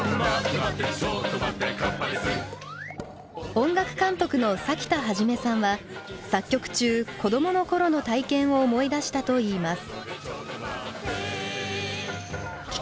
音楽監督のサキタハヂメさんは作曲中子どもの頃の体験を思い出したといいます。